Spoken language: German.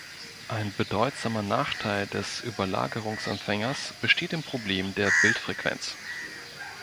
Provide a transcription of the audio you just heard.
Ein bedeutsamer Nachteil des Überlagerungsempfängers besteht im Problem der „Bildfrequenz“.